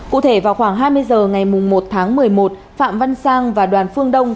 cụ thể vào khoảng hai mươi h ngày một tháng một mươi một phạm văn sang và đoàn phương đông